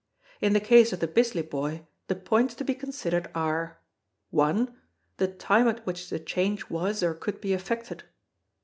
In the case of the Bisley Boy the points to be considered are: 1. The time at which the change was or could be affected.